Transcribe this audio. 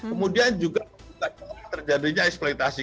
kemudian juga terjadinya eksploitasi